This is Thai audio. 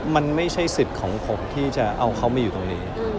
มันไม่ใช่สิทธิ์ของผมที่จะเอาเขามาอยู่ตรงนี้